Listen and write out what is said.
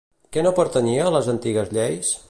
Què no pertanyia a les antigues lleis?